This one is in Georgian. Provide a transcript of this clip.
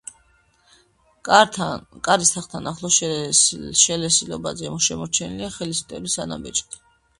კარის თაღთან ახლოს, შელესილობაზე, შემორჩენილია ხელის მტევნის ანაბეჭდი.